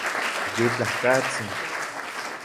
Yitlajkatsin